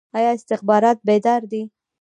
آیا استخبارات بیدار دي؟